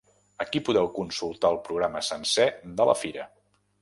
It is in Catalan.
Aquí podeu consultar el programa sencer de la fira.